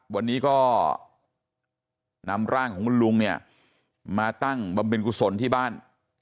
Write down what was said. วันนี้ก็นำร่างของคุณลุงเนี่ยมาตั้งบำเพ็ญกุศลที่บ้าน